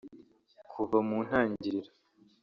Kuva mu ntangiriro